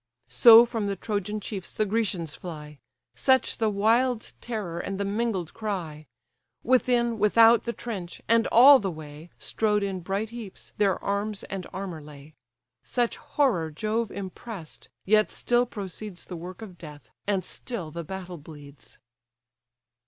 So from the Trojan chiefs the Grecians fly, Such the wild terror, and the mingled cry: Within, without the trench, and all the way, Strow'd in bright heaps, their arms and armour lay; Such horror Jove impress'd! yet still proceeds The work of death, and still the battle bleeds.